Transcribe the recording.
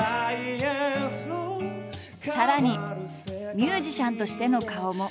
さらにミュージシャンとしての顔も。